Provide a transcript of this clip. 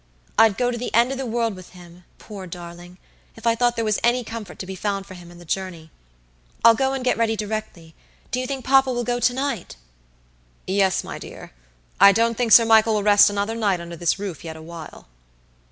I'd go to the end of the world with him, poor darling, if I thought there was any comfort to be found for him in the journey. I'll go and get ready directly. Do you think papa will go to night?" "Yes, my dear; I don't think Sir Michael will rest another night under this roof yet awhile."